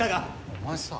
お前さ。